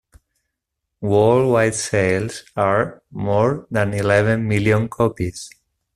Worldwide sales are more than eleven million copies.